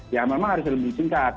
ya memang harus lebih singkat